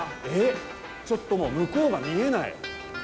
えっ、ちょっともう向こうが見えない！